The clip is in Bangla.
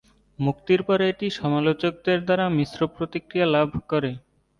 মুক্তির পরে এটি সমালোচকদের দ্বারা মিশ্র প্রতিক্রিয়া লাভ করে।